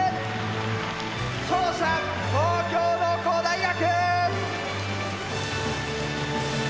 勝者東京農工大学！